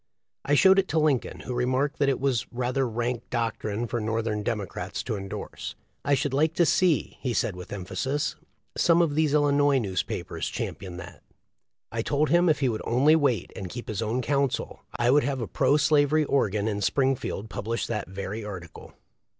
I showed it to Lincoln, who remarked that it was "rather rank doctrine for Northern Democrats to endorse. I should like to see," he said, with emphasis, "some of these Illinois newspapers champion that." I told him if he would only wait and keep his own counsel I would have a pro slavery organ in Spring field publish that very article.